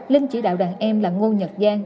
linh chỉ đạo đàn em là ngô nhật giang